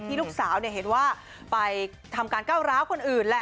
ลูกสาวเห็นว่าไปทำการก้าวร้าวคนอื่นแหละ